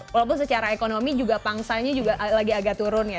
walaupun secara ekonomi juga pangsanya juga lagi agak turun ya